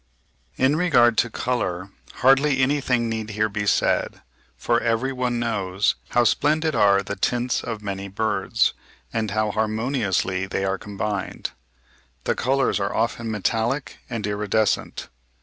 In regard to colour, hardly anything need here be said, for every one knows how splendid are the tints of many birds, and how harmoniously they are combined. The colours are often metallic and iridescent.